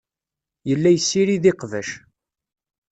Yella yessirid iqbac.